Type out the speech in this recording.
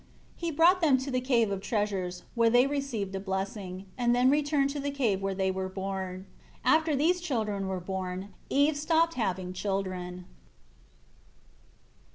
13 He brought them to the Cave of Treasures, where they received a blessing, and then returned to the cave where they were born. After these children were born, Eve stopped having children.